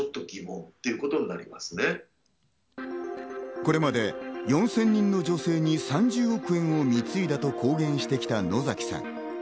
これまで４０００人の女性に３０億円を貢いだと公言してきた野崎さん。